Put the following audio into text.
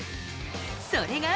それが。